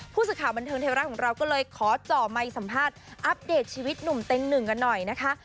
ผู้สื่อข่าวบันเทิงไทยรัฐของเราก็เลยขอจ่อไมค์สัมภาษณ์อัปเดตชีวิตหนุ่มเต็งหนึ่งกันหน่อยนะคะ